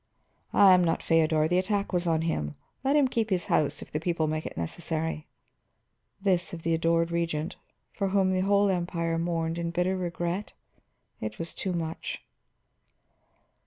"I am not Feodor; the attack was on him. Let him keep his house if the people make it necessary." This of the adored Regent, for whom the whole Empire mourned in bitter regret! It was too much.